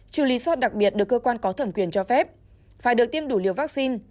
trừ lý do đặc biệt được cơ quan có thẩm quyền cho phép phải được tiêm đủ liều vaccine